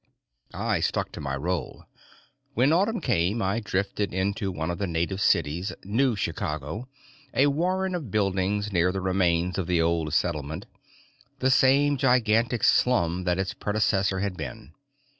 _ I stuck to my role. When autumn came, I drifted into one of the native cities, New Chicago, a warren of buildings near the remains of the old settlement, the same gigantic slum that its predecessor had been.